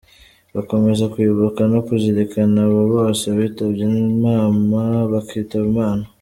Bakomeza kwibuka no kuzirikana abo bose bitabye inama bakitaba Imana.